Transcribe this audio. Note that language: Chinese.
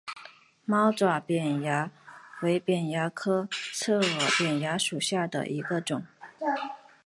猫爪扁蚜为扁蚜科刺额扁蚜属下的一个种。